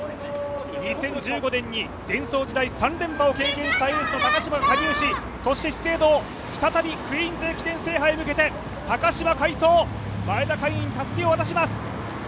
２０１５年にデンソー時代、３連覇を経験した高島が加入し、そして資生堂、再び「クイーンズ駅伝」制覇に向けて高島快走、前田海音にたすきを渡します。